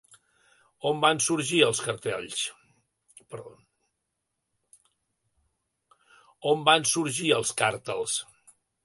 On van sorgir els càrtels?